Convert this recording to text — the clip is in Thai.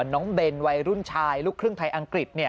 น้องเบนวัยรุ่นชายลูกครึ่งไทยอังกฤษ